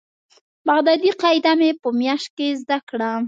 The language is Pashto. بغدادي قاعده مې په مياشت کښې زده کړه.